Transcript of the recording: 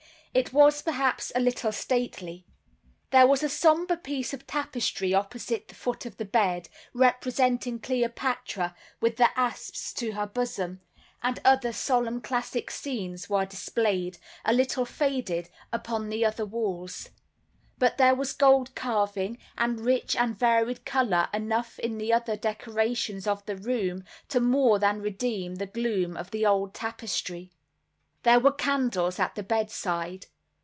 It was, perhaps, a little stately. There was a somber piece of tapestry opposite the foot of the bed, representing Cleopatra with the asps to her bosom; and other solemn classic scenes were displayed, a little faded, upon the other walls. But there was gold carving, and rich and varied color enough in the other decorations of the room, to more than redeem the gloom of the old tapestry. There were candles at the bedside.